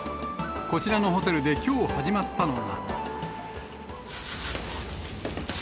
こちらのホテルできょう始まったのが。